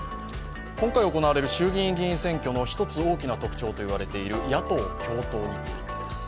今回行われる衆議院選挙の１つ大きな特徴と言われている野党共闘についてです。